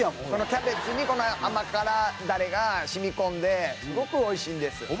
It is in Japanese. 「このキャベツにこの甘辛だれが染み込んですごくおいしいんです」